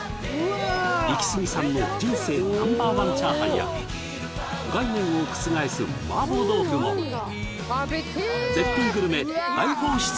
イキスギさんの人生ナンバーワンチャーハンや概念を覆すマーボー豆腐も絶品グルメ大放出！